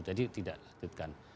jadi tidak dilatihkan